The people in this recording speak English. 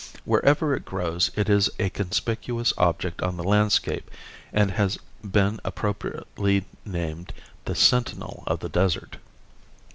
Wherever it grows, it is a conspicuous object on the landscape and has been appropriately named "The Sentinel of the Desert."